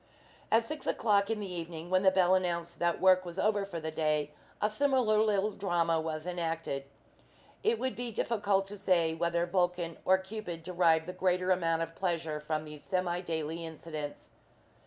At six o'clock in the evening, when the bell announced that work was over for the day, a similar little drama was enacted. It would be difficult to say whether Vulcan or Cupid derived the greater amount of pleasure from these semi daily incidents.